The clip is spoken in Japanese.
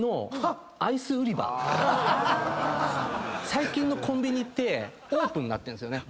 最近のコンビニってオープンになってるんですよね。